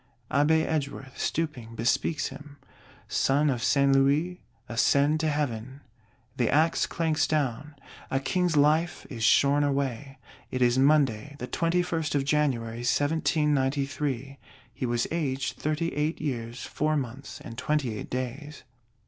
Abbé Edgeworth, stooping, bespeaks him: "Son of Saint Louis, ascend to Heaven." The Axe clanks down; a King's Life is shorn away. It is Monday, the 21st of January, 1793. He was aged Thirty eight years four months and twenty eight days.